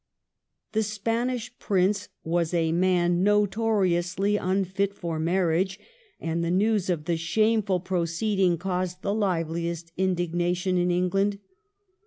The Spanish Prince was a man notoriously unfit for mai'riage, and the news of the shameful proceeding caused the liveliest indignation in England.